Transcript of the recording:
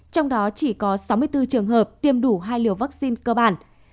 trong đó chỉ có sáu mươi bốn trường hợp tiêm đủ hai liều vaccine cơ bản